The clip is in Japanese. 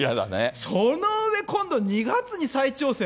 その上で今度２月に再挑戦。